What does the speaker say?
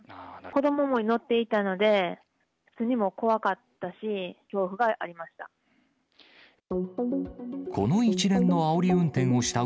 子どもも乗っていたので、普通に怖かったし、恐怖がありました。